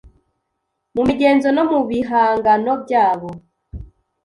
mu migenzo no mu bihangano byabo.